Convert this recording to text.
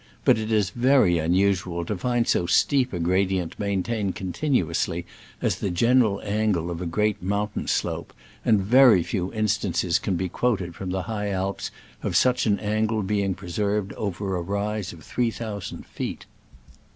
But it is very unusual to find so steep a gradient maintained continuously as the general angle of a great mountain slope, and very few instances can be quoted from the High Alps of such an angle being preserved over a rise of three thousand feet.